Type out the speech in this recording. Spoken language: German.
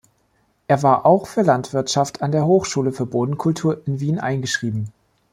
Er war auch für Landwirtschaft an der Hochschule für Bodenkultur in Wien eingeschrieben.